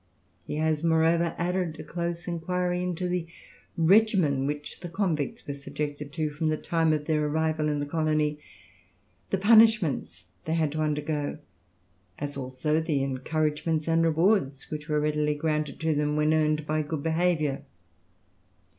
He has, moreover, added a close inquiry into the regimen which the convicts were subjected to from the time of their arrival in the colony, the punishments they had to undergo, as also the encouragements and rewards which were readily granted to them, when earned by good behaviour.